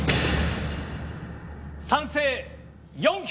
賛成４票！